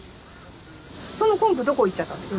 その昆布どこ行っちゃったんです？